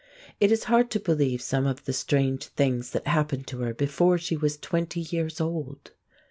It is hard to believe some of the strange things that happened to her before she was twenty years old.